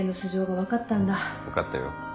分かったよ。